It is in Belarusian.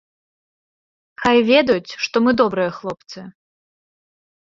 Хай ведаюць, што мы добрыя хлопцы.